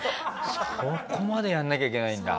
そこまでやんなきゃいけないんだ。